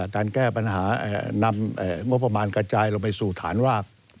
การแก้ปัญหานำงบประมาณกระจายลงไปสู่ฐานราก